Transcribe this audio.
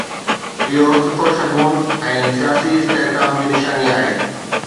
اهو سٺو شگون ۽ سياسي استحڪام جي نشاني آهي.